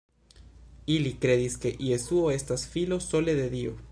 Ili kredis, ke Jesuo estas Filo sole de Dio.